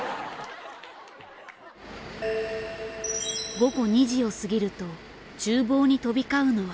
午後２時を過ぎると厨房に飛び交うのは。